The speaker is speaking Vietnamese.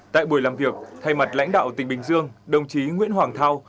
tại buổi làm việc thay mặt lãnh đạo tỉnh bình dương đồng chí nguyễn hoàng thao